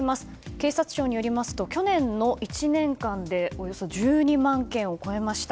警察庁によりますと去年１年間でおよそ１２万件を超えました。